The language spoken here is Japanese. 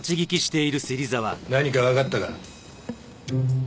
何かわかったか？